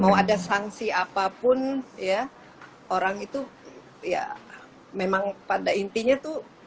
mau ada sanksi apapun ya orang itu ya memang pada intinya tuh